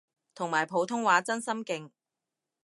同埋普通話真心勁